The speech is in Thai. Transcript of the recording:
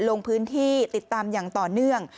ลงพื้นที่ติดตามอย่างต่อเนื่อง